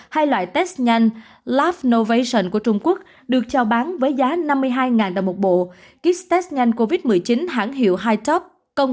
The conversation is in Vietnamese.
hay loại test nhanh love novation của trung quốc